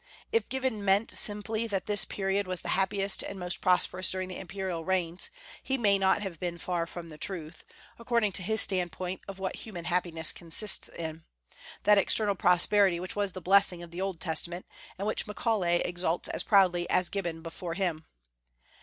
If Gibbon meant simply that this period was the happiest and most prosperous during the imperial reigns, he may not have been far from the truth, according to his standpoint of what human happiness consists in, that external prosperity which was the blessing of the Old Testament, and which Macaulay exalts as proudly as Gibbon before him.